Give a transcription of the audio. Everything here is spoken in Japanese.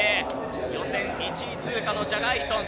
予選１位通過のジャガー・イートン。